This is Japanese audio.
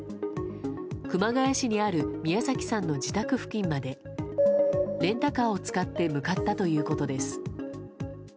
熊谷市にある宮崎さんの自宅付近までレンタカーを使って向かったということです。